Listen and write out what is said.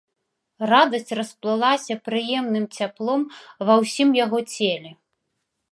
Радасць расплылася прыемным цяплом ва ўсім яго целе.